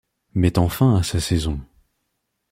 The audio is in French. Mettant fin à sa saison.